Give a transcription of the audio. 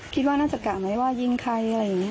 คิดว่าน่าจะกะไหมว่ายิงใครอะไรอย่างนี้หรือยิงทรง